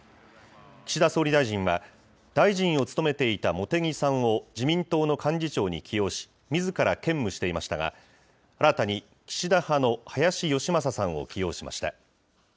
岸田総理大臣は、大臣を務めていた茂木さんを自民党の幹事長に起用し、みずから兼務していましたが、新たに岸田派の林芳正さんを起用しました。